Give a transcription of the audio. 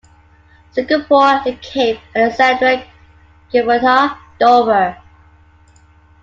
Singapore, the Cape, Alexandria, Gibraltar, Dover.